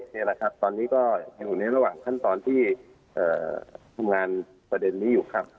นี่แหละครับตอนนี้ก็ยังอยู่ในระหว่างขั้นตอนที่ทำงานประเด็นนี้อยู่ครับ